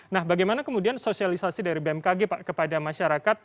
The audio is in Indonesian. nah bagaimana kemudian sosialisasi dari bmkg pak kepada masyarakat